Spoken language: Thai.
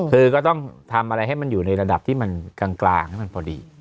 คือก็ต้องทำอะไรให้มันอยู่ในระดับที่มันกลางให้มันพอดี